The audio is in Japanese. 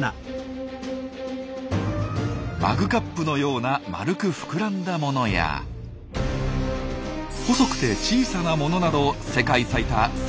マグカップのような丸く膨らんだものや細くて小さなものなど世界最多３６種が見られます。